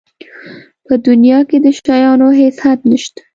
په دنیا کې د شیانو هېڅ حد نشته.